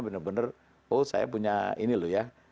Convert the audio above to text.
benar benar oh saya punya ini loh ya